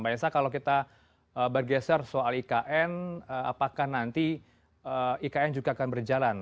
mbak esa kalau kita bergeser soal ikn apakah nanti ikn juga akan berjalan